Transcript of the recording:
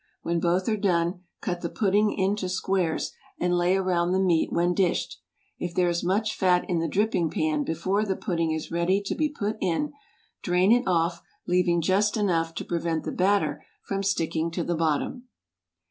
When both are done, cut the pudding into squares, and lay around the meat when dished. If there is much fat in the dripping pan before the pudding is ready to be put in, drain it off, leaving just enough to prevent the batter from sticking to the bottom.